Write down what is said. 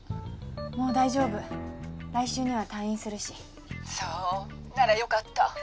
もう大丈夫来週には退院するしそうならよかった